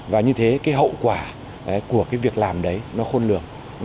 và như thế cái hậu quả của cái việc làm đấy nó khôn lường